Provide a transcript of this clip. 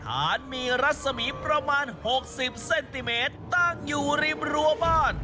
ฐานมีรัศมีประมาณ๖๐เซนติเมตรตั้งอยู่ริมรั้วบ้าน